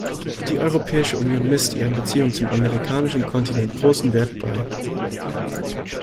Die Europäische Union misst ihren Beziehungen zum amerikanischen Kontinent großen Wert bei.